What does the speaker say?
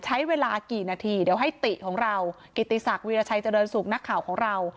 ใช้เวลากี่นาทีเดี๋ยวให้ติของเรากิติศักดิราชัยเจริญสุขนักข่าวของเรา